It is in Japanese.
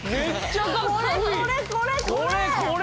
これこれこれこれ！